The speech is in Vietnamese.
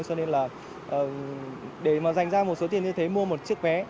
cho nên là để mà dành ra một số tiền như thế mua một chiếc vé